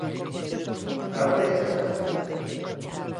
A testa está fría.